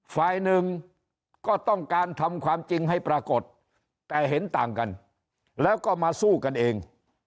ฝ่ายหนึ่งก็ต้องการทำความจริงให้ปรากฏแต่เห็นต่างกันแล้วก็มาสู้กันเอง